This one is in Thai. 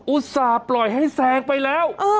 อุตส่าห์ปล่อยให้แซงไปแล้ว